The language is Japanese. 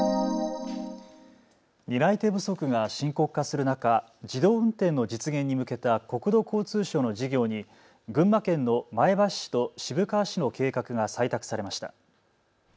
担い手不足が深刻化する中、自動運転の実現に向けた国土交通省の事業に群馬県の前橋市と渋川市の計画が採択されました。